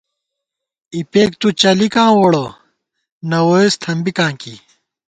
اِپېک تُو چلِکاں ووڑہ ، نہ ووئیس تھنبِکاں کی